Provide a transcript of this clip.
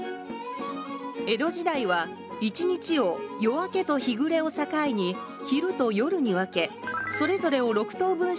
江戸時代は一日を夜明けと日暮れを境に昼と夜に分けそれぞれを６等分した時間が使われていました。